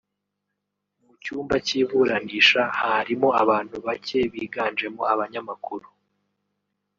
Mu cyumba cy’iburanisha harimo abantu bake biganjemo abanyamakuru